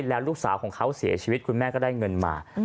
แล้วลูกสาวของเขาเสียชีวิตคุณแม่ก็ได้เงินมา